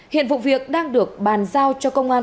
hiện vụ việc đang được bàn giao cho công an